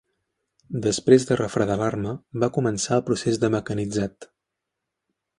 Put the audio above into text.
Després de refredar l'arma va començar el procés de mecanitzat.